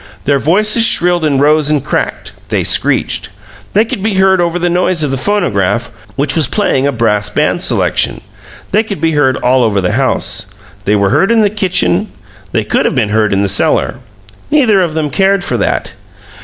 Their voices shrilled and rose and cracked they screeched. They could be heard over the noise of the phonograph, which was playing a brass band selection. They could be heard all over the house. They were heard in the kitchen; they could have been heard in the cellar. Neither of them cared for that.